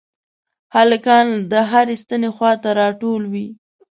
هلکان د هرې ستنې خواته راټول وي.